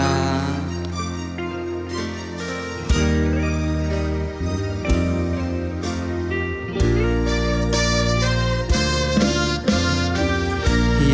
สวัสดีค่ะ